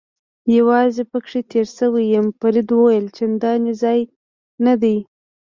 یوازې پکې تېر شوی یم، فرید وویل: چندان ځای نه دی.